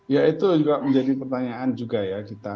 ya itu juga menjadi pertanyaan juga ya kita